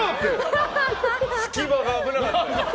隙間が危なかったよ。